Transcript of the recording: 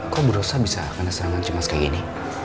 kok berosak bisa kena serangan cemas kayak gini